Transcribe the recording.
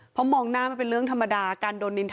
เพราะจะมองหน้าไม่เป็นเรื่องธรรมดา